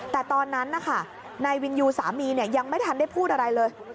แต่ตอนนั้นนะคะนายวินยูสามียังไม่ทันได้พูดอะไรเลย